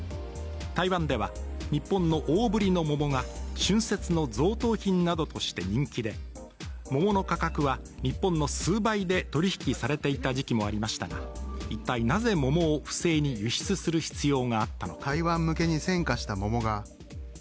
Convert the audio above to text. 台湾では日本の大ぶりの桃が春節の贈答品などとして人気で、桃の価格は日本の数倍で取り引きされていた時期もありましたが一体、なぜ桃を不正に輸出する必要があったのか。